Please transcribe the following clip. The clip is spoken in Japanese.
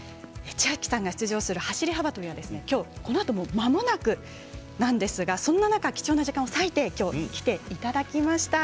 千明さんが出場する走り幅跳びは、きょうこのあとまもなくなんですがそんな中、貴重な時間を割いてきょう来ていただきました。